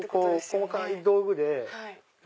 細かい道具で。